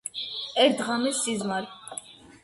ერთ ღამეს სიზმარი